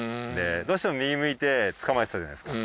どうしても右向いてつかまえてたじゃないですか。